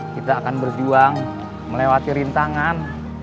kita akan berjuang melewati rintangan